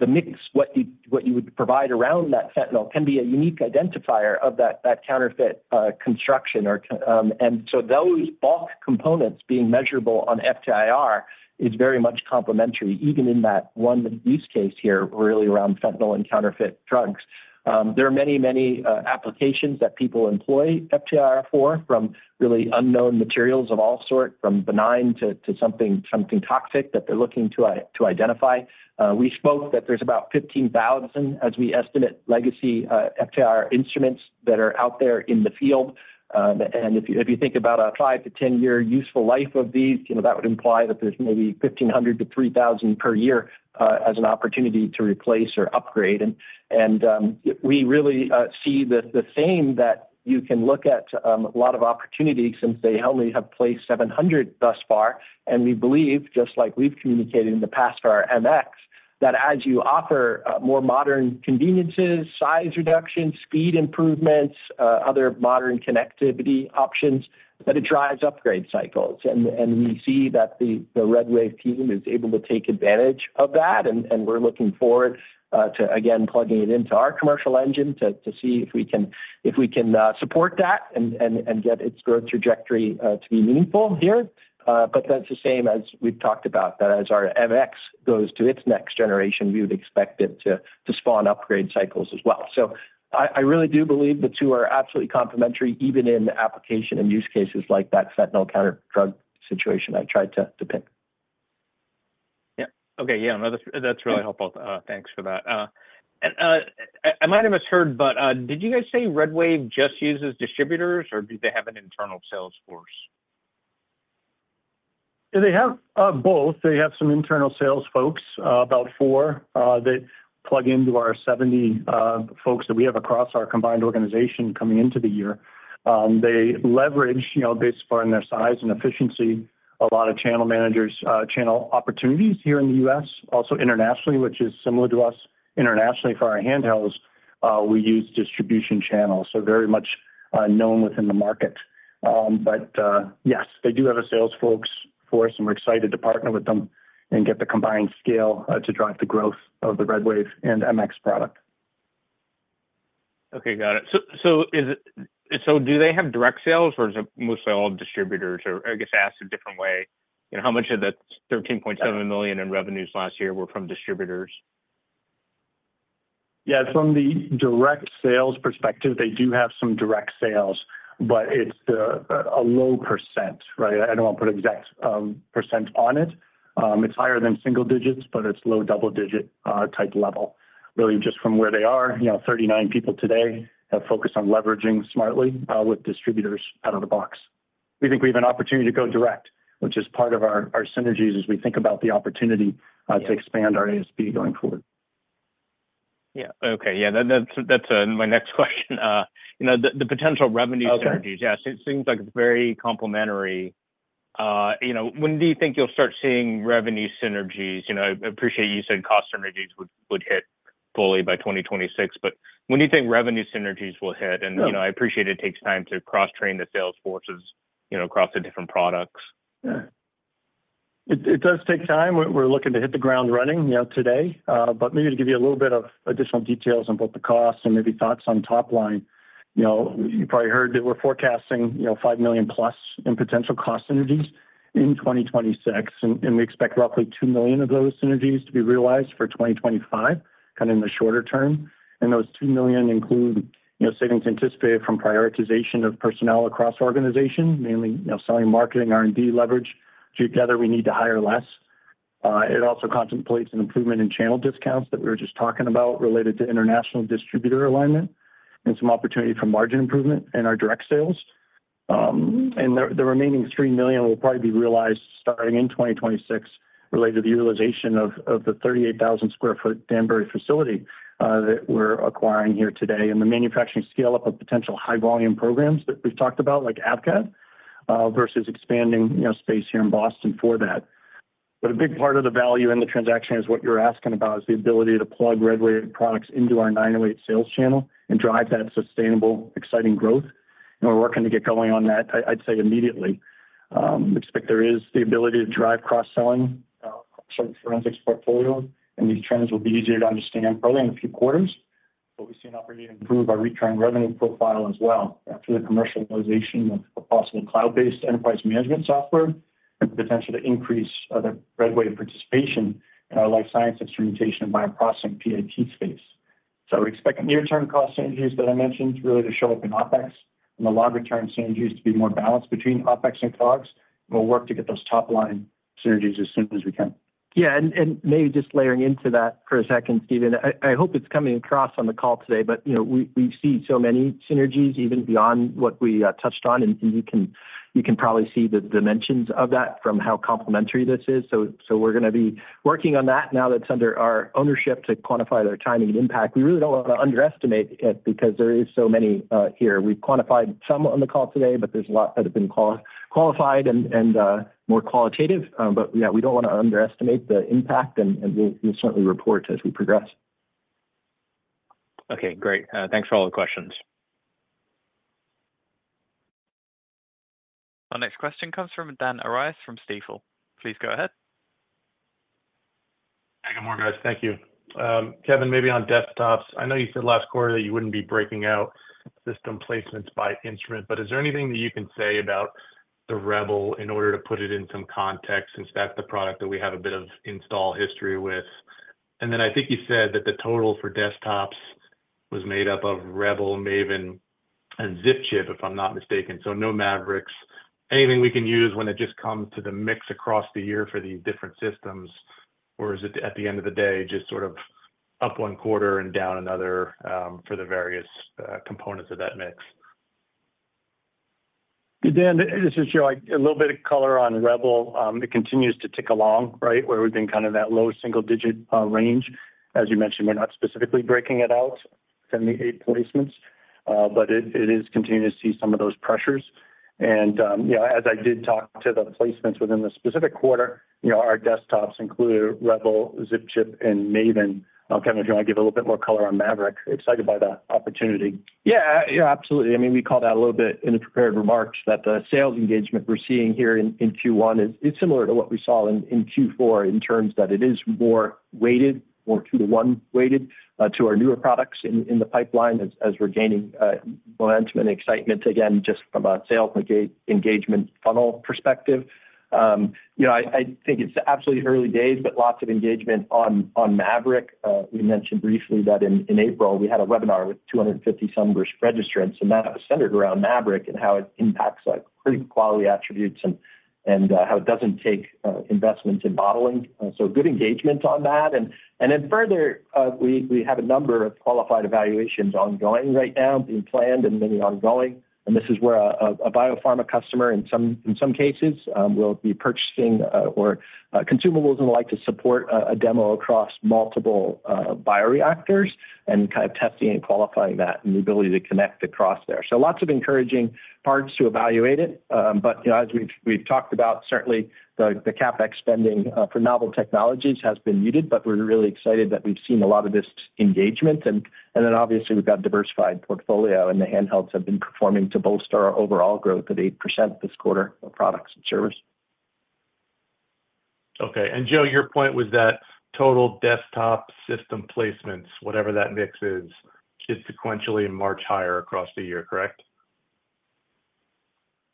the mix, what you would provide around that fentanyl can be a unique identifier of that counterfeit construction. And so those bulk components being measurable on FTIR is very much complementary, even in that one use case here, really around fentanyl and counterfeit drugs. There are many, many applications that people employ FTIR for, from really unknown materials of all sort, from benign to something toxic that they're looking to identify. We spoke that there's about 15,000, as we estimate, legacy FTIR instruments that are out there in the field. If you think about a five to 10-year useful life of these, that would imply that there's maybe 1,500-3,000 per year as an opportunity to replace or upgrade. We really see the theme that you can look at a lot of opportunities since they only have placed 700 thus far. We believe, just like we've communicated in the past for our MX, that as you offer more modern conveniences, size reductions, speed improvements, other modern connectivity options, that it drives upgrade cycles. We see that the RedWave team is able to take advantage of that, and we're looking forward to, again, plugging it into our commercial engine to see if we can support that and get its growth trajectory to be meaningful here. That's the same as we've talked about, that as our MX goes to its next generation, we would expect it to spawn upgrade cycles as well. I really do believe the two are absolutely complementary, even in the application and use cases like that fentanyl counter-drug situation I tried to pick. Yeah. Okay. Yeah, no, that's really helpful. Thanks for that. And I might have misheard, but did you guys say RedWave just uses distributors, or do they have an internal sales force? They have both. They have some internal sales folks, about four, that plug into our 70 folks that we have across our combined organization coming into the year. They leverage, based upon their size and efficiency, a lot of channel managers, channel opportunities here in the U.S., also internationally, which is similar to us. Internationally, for our handhelds, we use distribution channels, so very much known within the market. But yes, they do have a sales force for us, and we're excited to partner with them and get the combined scale to drive the growth of the RedWave and MX product. Okay, got it. So do they have direct sales, or is it mostly all distributors? Or I guess asked a different way, how much of the $13.7 million in revenues last year were from distributors? Yeah, from the direct sales perspective, they do have some direct sales, but it's a low %, right? I don't want to put exact % on it. It's higher than single digits, but it's low double-digit type level, really just from where they are. 39 people today have focused on leveraging smartly with distributors out of the box. We think we have an opportunity to go direct, which is part of our synergies as we think about the opportunity to expand our ASP going forward. Yeah. Okay. Yeah, that's my next question. The potential revenue synergies, yeah, it seems like it's very complementary. When do you think you'll start seeing revenue synergies? I appreciate you said cost synergies would hit fully by 2026, but when do you think revenue synergies will hit? And I appreciate it takes time to cross-train the sales forces across the different products. Yeah. It does take time. We're looking to hit the ground running today. But maybe to give you a little bit of additional details on both the costs and maybe thoughts on topline, you probably heard that we're forecasting $5 million+ in potential cost synergies in 2026, and we expect roughly $2 million of those synergies to be realized for 2025, kind of in the shorter term. And those $2 million include savings anticipated from prioritization of personnel across organizations, mainly selling, marketing, R&D leverage. Together, we need to hire less. It also contemplates an improvement in channel discounts that we were just talking about related to international distributor alignment and some opportunity for margin improvement in our direct sales. The remaining $3 million will probably be realized starting in 2026 related to the utilization of the 38,000 sq ft Danbury facility that we're acquiring here today and the manufacturing scale-up of potential high-volume programs that we've talked about, like AVCAD, versus expanding space here in Boston for that. But a big part of the value in the transaction is what you're asking about, is the ability to plug RedWave products into our 908 sales channel and drive that sustainable, exciting growth. And we're working to get going on that, I'd say, immediately. We expect there is the ability to drive cross-selling across our forensics portfolio, and these trends will be easier to understand probably in a few quarters. We see an opportunity to improve our return revenue profile as well after the commercialization of a possible cloud-based enterprise management software and the potential to increase RedWave participation in our life science instrumentation and bioprocessing PAT space. We expect near-term cost synergies that I mentioned really to show up in OpEx and the long-term synergies to be more balanced between OpEx and COGS. We'll work to get those topline synergies as soon as we can. Yeah. And maybe just layering into that for a second, Steven. I hope it's coming across on the call today, but we see so many synergies, even beyond what we touched on, and you can probably see the dimensions of that from how complementary this is. So we're going to be working on that now that it's under our ownership to quantify their timing and impact. We really don't want to underestimate it because there is so many here. We've quantified some on the call today, but there's a lot that have been qualified and more qualitative. But yeah, we don't want to underestimate the impact, and we'll certainly report as we progress. Okay, great. Thanks for all the questions. Our next question comes from Dan Arias from Stifel. Please go ahead. Hey, good morning, guys. Thank you. Kevin, maybe on desktops, I know you said last quarter that you wouldn't be breaking out system placements by instrument, but is there anything that you can say about the Rebel in order to put it in some context since that's the product that we have a bit of install history with? And then I think you said that the total for desktops was made up of Rebel, MAVEN, and ZipChip, if I'm not mistaken. So no MAVRIC, anything we can use when it just comes to the mix across the year for these different systems? Or is it at the end of the day just sort of up one quarter and down another for the various components of that mix? Good, Dan. This is Joe. A little bit of color on Rebel. It continues to tick along, right, where we've been kind of that low single-digit range. As you mentioned, we're not specifically breaking it out, 78 placements. But it is continuing to see some of those pressures. And as I did talk to the placements within the specific quarter, our desktops include Rebel, ZipChip, and MAVEN. Kevin, if you want to give a little bit more color on MAVRIC, excited by that opportunity. Yeah, absolutely. I mean, we called out a little bit in the prepared remarks that the sales engagement we're seeing here in Q1 is similar to what we saw in Q4 in terms that it is more weighted, more two to one weighted to our newer products in the pipeline as we're gaining momentum and excitement, again, just from a sales engagement funnel perspective. I think it's absolutely early days, but lots of engagement on MAVRIC. We mentioned briefly that in April, we had a webinar with 250-some registered incentives centered around MAVRIC and how it impacts critical quality attributes and how it doesn't take investments in modeling. So good engagement on that. And then further, we have a number of qualified evaluations ongoing right now, being planned and many ongoing. And this is where a biopharma customer, in some cases, will be purchasing or consumables and like to support a demo across multiple bioreactors and kind of testing and qualifying that and the ability to connect across there. So lots of encouraging parts to evaluate it. But as we've talked about, certainly, the CapEx spending for novel technologies has been muted, but we're really excited that we've seen a lot of this engagement. And then obviously, we've got a diversified portfolio, and the handhelds have been performing to bolster our overall growth of 8% this quarter of products and service. Okay. And Joe, your point was that total desktop system placements, whatever that mix is, should sequentially march higher across the year, correct?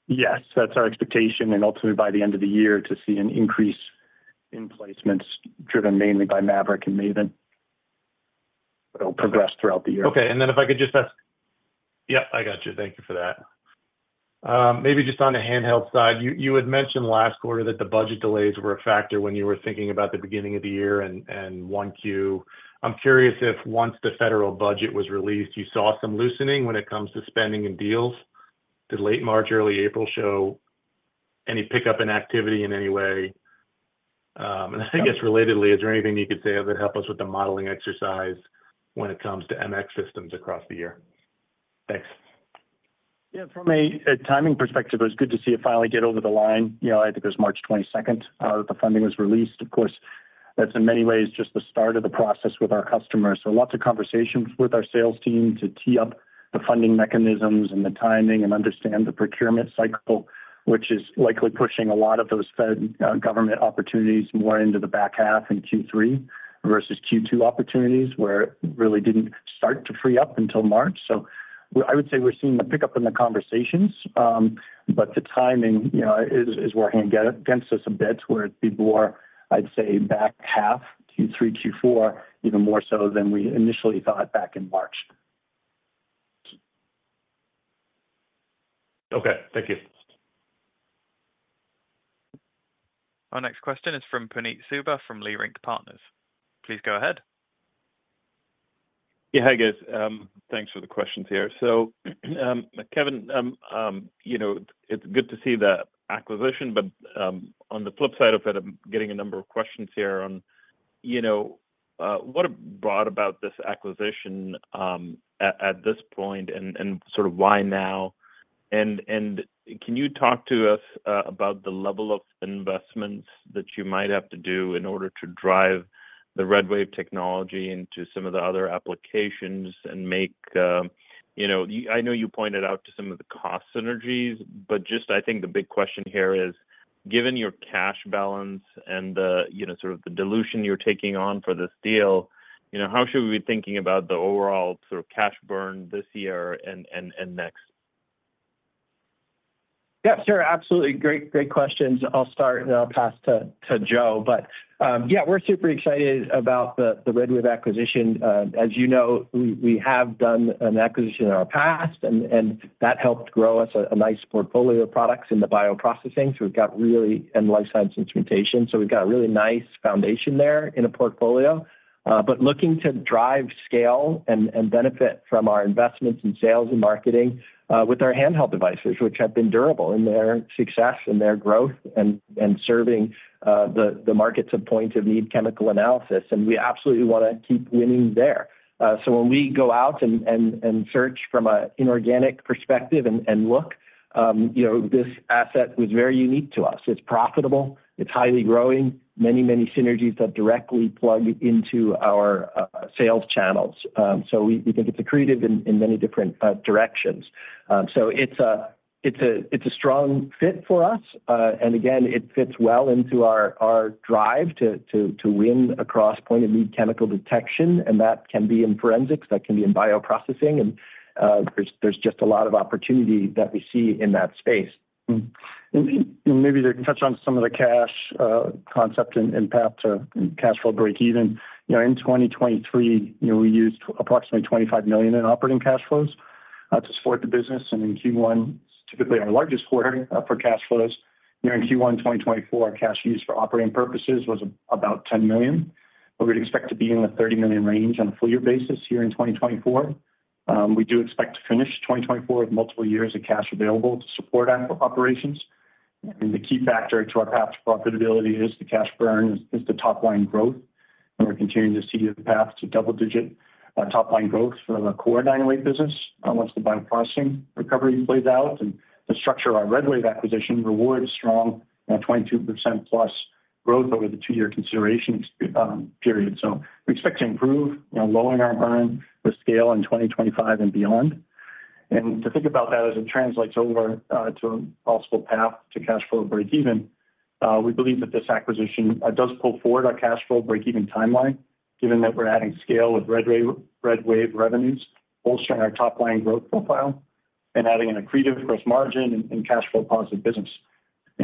Yes, that's our expectation. And ultimately, by the end of the year, to see an increase in placements driven mainly by MAVRIC and MAVEN. It'll progress throughout the year. Okay. Then if I could just ask yep, I got you. Thank you for that. Maybe just on the handheld side, you had mentioned last quarter that the budget delays were a factor when you were thinking about the beginning of the year and 1Q. I'm curious if once the federal budget was released, you saw some loosening when it comes to spending and deals. Did late March, early April show any pickup in activity in any way? And I guess relatedly, is there anything you could say that helped us with the modeling exercise when it comes to MX systems across the year? Thanks. Yeah, from a timing perspective, it was good to see it finally get over the line. I think it was March 22nd that the funding was released. Of course, that's in many ways just the start of the process with our customers. So lots of conversations with our sales team to tee up the funding mechanisms and the timing and understand the procurement cycle, which is likely pushing a lot of those Fed government opportunities more into the back half in Q3 versus Q2 opportunities where it really didn't start to free up until March. So I would say we're seeing a pickup in the conversations, but the timing is working against us a bit where it'd be more, I'd say, back half, Q3, Q4, even more so than we initially thought back in March. Okay. Thank you. Our next question is from Puneet Souda from Leerink Partners. Please go ahead. Yeah, hi, guys. Thanks for the questions here. So Kevin, it's good to see the acquisition, but on the flip side of it, I'm getting a number of questions here on what brought about this acquisition at this point and sort of why now? And can you talk to us about the level of investments that you might have to do in order to drive the RedWave technology into some of the other applications and make—I know you pointed out to some of the cost synergies, but just I think the big question here is, given your cash balance and sort of the dilution you're taking on for this deal, how should we be thinking about the overall sort of cash burn this year and next? Yeah, sure. Absolutely. Great questions. I'll start, and then I'll pass to Joe. But yeah, we're super excited about the RedWave acquisition. As you know, we have done an acquisition in our past, and that helped grow us a nice portfolio of products in the bioprocessing. So we've got really and life science instrumentation. So we've got a really nice foundation there in a portfolio. But looking to drive scale and benefit from our investments in sales and marketing with our handheld devices, which have been durable in their success and their growth and serving the markets of point-of-need chemical analysis. And we absolutely want to keep winning there. So when we go out and search from an inorganic perspective and look, this asset was very unique to us. It's profitable. It's highly growing. Many, many synergies that directly plug into our sales channels. So we think it's a creative in many different directions. So it's a strong fit for us. And again, it fits well into our drive to win across point-of-need chemical detection. And that can be in forensics. That can be in bioprocessing. And there's just a lot of opportunity that we see in that space. Maybe to touch on some of the cash concept and path to cash flow break-even, in 2023, we used approximately $25 million in operating cash flows to support the business. And in Q1, it's typically our largest quarter for cash flows. In Q1 2024, our cash used for operating purposes was about $10 million. But we'd expect to be in the $30 million range on a full-year basis here in 2024. We do expect to finish 2024 with multiple years of cash available to support operations. I mean, the key factor to our path to profitability is the cash burn, is the topline growth. And we're continuing to see a path to double-digit topline growth for the core 908 business once the bioprocessing recovery plays out. And the structure of our RedWave acquisition rewards strong 22%+ growth over the two-year consideration period. We expect to improve, lowering our burn with scale in 2025 and beyond. To think about that as it translates over to a possible path to cash flow break-even, we believe that this acquisition does pull forward our cash flow break-even timeline, given that we're adding scale with RedWave revenues, bolstering our topline growth profile, and adding an accretive gross margin and cash flow positive business.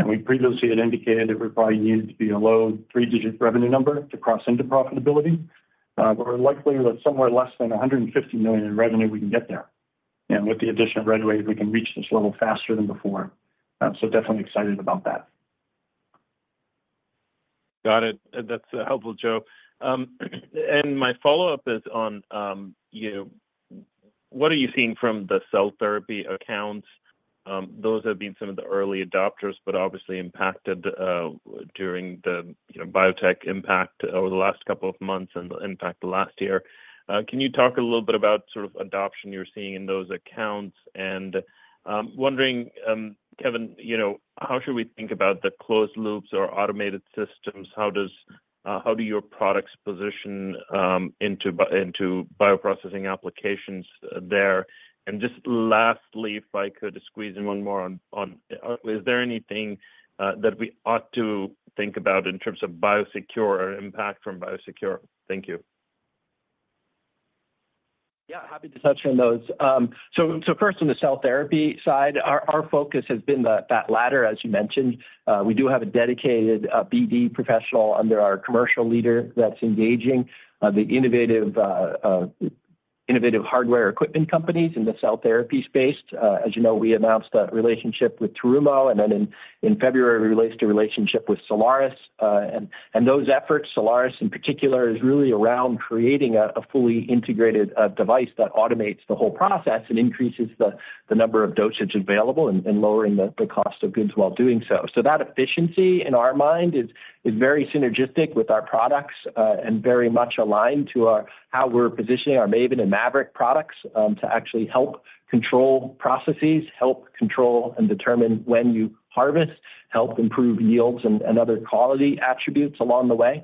We previously had indicated that we probably needed to be a low three-digit revenue number to cross into profitability. We're likely with somewhere less than $150 million in revenue, we can get there. With the addition of RedWave, we can reach this level faster than before. Definitely excited about that. Got it. That's helpful, Joe. And my follow-up is on what are you seeing from the cell therapy accounts? Those have been some of the early adopters, but obviously impacted during the biotech impact over the last couple of months and, in fact, last year. Can you talk a little bit about sort of adoption you're seeing in those accounts? And wondering, Kevin, how should we think about the closed loops or automated systems? How do your products position into bioprocessing applications there? And just lastly, if I could squeeze in one more on, is there anything that we ought to think about in terms of Biosecure or impact from Biosecure? Thank you. Yeah, happy to touch on those. So first, on the cell therapy side, our focus has been that ladder, as you mentioned. We do have a dedicated BD professional under our commercial leader that's engaging the innovative hardware equipment companies in the cell therapy space. As you know, we announced a relationship with Terumo. And then in February, we released a relationship with Solaris. And those efforts, Solaris in particular, is really around creating a fully integrated device that automates the whole process and increases the number of dosage available and lowering the cost of goods while doing so. So that efficiency, in our mind, is very synergistic with our products and very much aligned to how we're positioning our MAVEN and MAVRIC products to actually help control processes, help control and determine when you harvest, help improve yields, and other quality attributes along the way.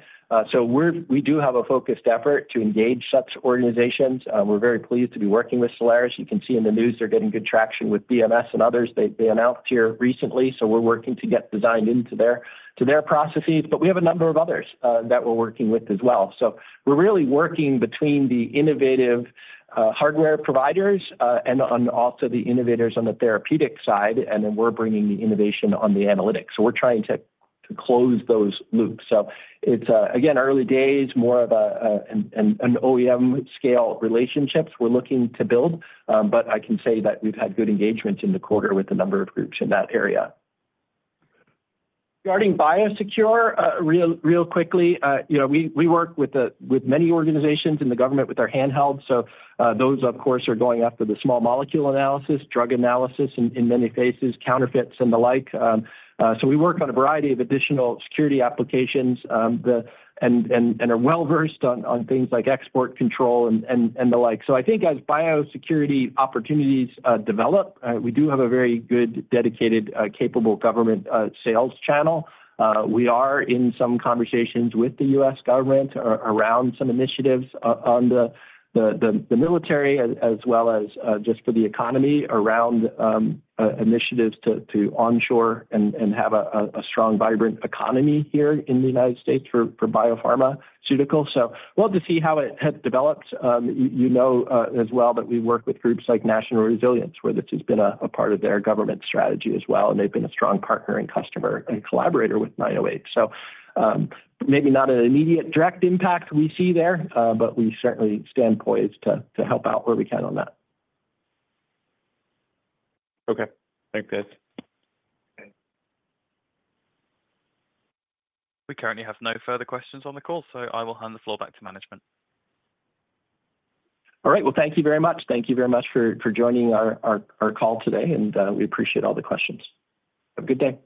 We do have a focused effort to engage such organizations. We're very pleased to be working with Solaris. You can see in the news, they're getting good traction with BMS and others. They announced here recently. We're working to get designed into their processes. But we have a number of others that we're working with as well. We're really working between the innovative hardware providers and also the innovators on the therapeutic side. And then we're bringing the innovation on the analytics. We're trying to close those loops. It's, again, early days, more of an OEM-scale relationship we're looking to build. But I can say that we've had good engagement in the quarter with a number of groups in that area. Regarding Biosecure, real quickly, we work with many organizations in the government with our handhelds. So those, of course, are going after the small molecule analysis, drug analysis in many phases, counterfeits, and the like. So we work on a variety of additional security applications and are well-versed on things like export control and the like. So I think as biosecurity opportunities develop, we do have a very good, dedicated, capable government sales channel. We are in some conversations with the U.S. government around some initiatives on the military as well as just for the economy around initiatives to onshore and have a strong, vibrant economy here in the United States for biopharmaceuticals. So we'll have to see how it develops. You know as well that we work with groups like National Resilience, where this has been a part of their government strategy as well. And they've been a strong partner and customer and collaborator with 908. Maybe not an immediate direct impact we see there, but we certainly stand poised to help out where we can on that. Okay. Thanks, guys. We currently have no further questions on the call, so I will hand the floor back to management. All right. Well, thank you very much. Thank you very much for joining our call today. We appreciate all the questions. Have a good day.